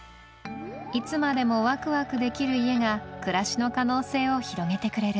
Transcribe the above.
いつまでもワクワクできる家が暮らしの可能性を広げてくれる